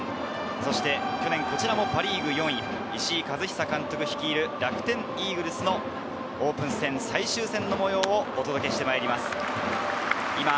そして去年、こちらもパ・リーグ４位、石井一久監督率いる楽天イーグルスのオープン戦・最終戦の模様をお届けしてまいります。